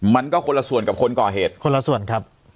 มันก็คนละส่วนกับคนก่อเหตุคนละส่วนครับ